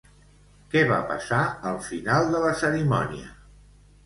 Què va passar al final de la cerimònia?